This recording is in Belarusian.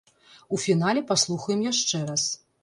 У фінале паслухаем яшчэ раз.